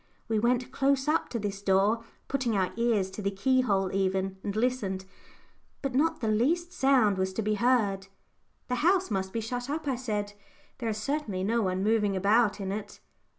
We went close up to this door, putting our ears to the keyhole even, and listened, but not the least sound was to be heard. "The house must be shut up," I said. "There is certainly no one moving about in it."